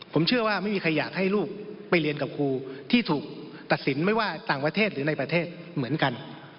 ผมเชื่อว่าไม่มีใครอยากให้ลูกไปเรียนกับครูที่ถูกตัดสินไม่ว่าต่างประเทศหรือในประเทศเหมือนกัน